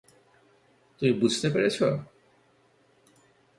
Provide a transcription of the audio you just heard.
তুমি বুঝতে পেরেছ?